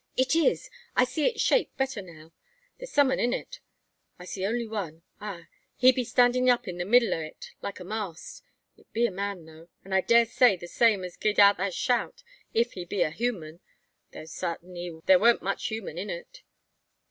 "It is! I see its shape better now. There's some un in it. I see only one; ah, he be standin' up in the middle o' it, like a mast. It be a man though; an' I dare say the same as gi'ed that shout, if he be a human; though, sartin, there warn't much human in it."